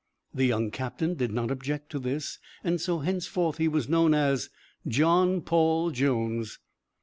The young captain did not object to this, and so henceforth he was known as John Paul Jones.